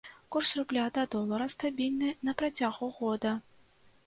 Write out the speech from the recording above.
Курс рубля да долара стабільны на працягу года.